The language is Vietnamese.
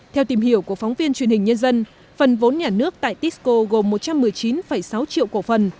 theo tìm hiểu của phóng viên truyền hình nhân dân phần vốn nhà nước tại tisco gồm một trăm một mươi chín sáu triệu cổ phần